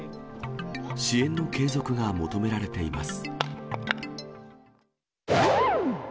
支援の継続が求められています。